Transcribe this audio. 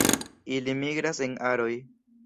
Ili migras en aroj.